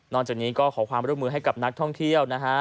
จากนี้ก็ขอความร่วมมือให้กับนักท่องเที่ยวนะฮะ